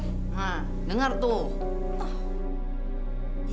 hah dengar tuh